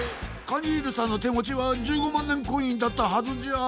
カニールさんのてもちは１５まんねんコインだったはずじゃ。